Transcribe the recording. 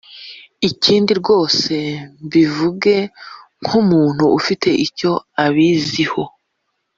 Ikindi rwose mbivuge nk'umuntu ufite icyo mbiziho